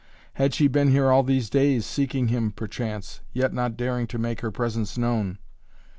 Had she been here all these days, seeking him perchance, yet not daring to make her presence known?